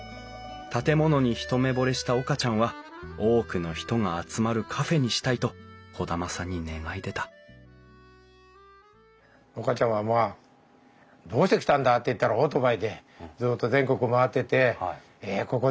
建物に一目ぼれした岡ちゃんは多くの人が集まるカフェにしたいと兒玉さんに願い出た岡ちゃんはまあ「どうして来たんだ？」って言ったらオートバイでずっと全国を回っててここでカフェをしたいと。